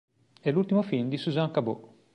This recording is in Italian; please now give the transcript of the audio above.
È l'ultimo film di Susan Cabot.